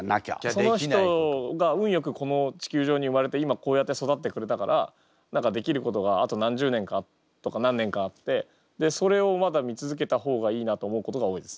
その人が運よくこの地球上に生まれて今こうやって育ってくれたからできることがあと何十年とか何年かあってそれをまだ見続けた方がいいなと思うことが多いです。